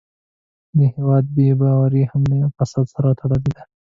د هېواد بې باوري هم له فساد سره تړلې ده.